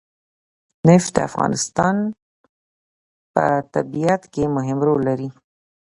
نفت د افغانستان په طبیعت کې مهم رول لري.